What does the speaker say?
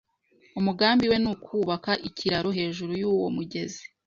Umugambi we ni ukubaka ikiraro hejuru yuwo mugezi.